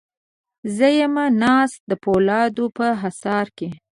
زه یم ناسته د پولادو په حصار کې